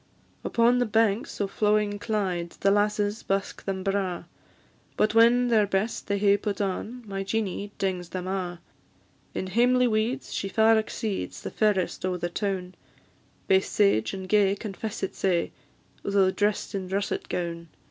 Upon the banks o' flowing Clyde The lasses busk them braw; But when their best they hae put on, My Jeanie dings them a'; In hamely weeds she far exceeds The fairest o' the toun; Baith sage and gay confess it sae, Though drest in russit goun.